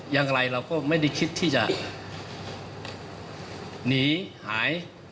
อย่างไรเราก็ไม่ได้คิดที่จะหนีหาย